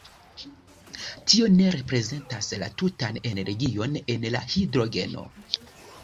Tio ne reprezentas la tutan energion en la hidrogeno.